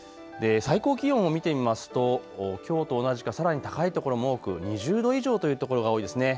最高気温を見てみますときょうと同じかさらに高いところも多く２０度以上というところが多いです。